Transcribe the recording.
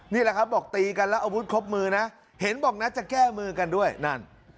นี่แหละครับบอกตีกันแล้วอาวุธครบมือนะเห็นบอกนะจะแก้มือกันด้วยนั่น